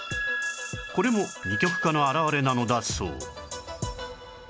これも二極化の表れなのだそう